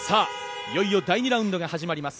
いよいよ第２ラウンドが始まります。